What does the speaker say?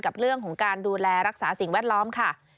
กับเรื่องของการดูแลรักษาสิ่งแวดล้อมค่ะ